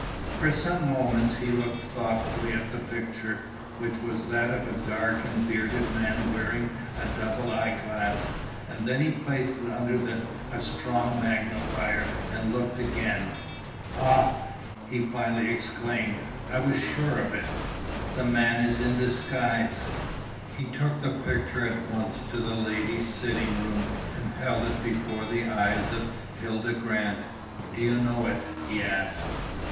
For some moments he looked thoughtfully at the picture, which was that of a dark and bearded man wearing a double eyeglass, and then he placed it under a strong magnifier, and looked again. "Ah!" he finally exclaimed, "I was sure of it! The man is in disguise!" He took the picture at once to the ladies' sitting room, and held it before the eyes of Hilda Grant. "Do you know it?" he asked.